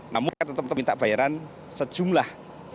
namun kita tetap minta bayaran sejumlah tujuh belas